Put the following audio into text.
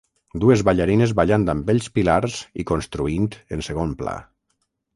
Dues ballarines ballant amb bells pilars i construint en segon pla